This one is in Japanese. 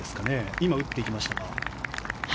今、打っていきましたが。